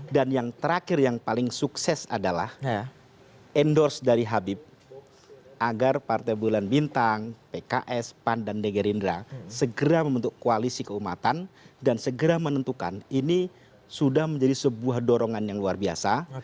dan yang terakhir yang paling sukses adalah endorse dari habib agar partai bulan bintang pks pan dan dg rindra segera membentuk koalisi keumatan dan segera menentukan ini sudah menjadi sebuah dorongan yang luar biasa